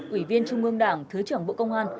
ủy viên trung ương đảng thứ trưởng bộ công an